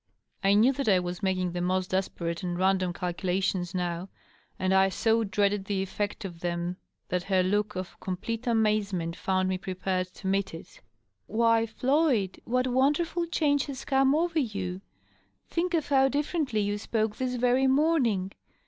I knew that I was making the most desperate and random calcula tions, now, and I so dreaded the effect* of them that her look of com plete amazement found me prepared to meet it. " Why, Floyd ! What wonderful change has come over you ! Think of how differently you spoke this very morning.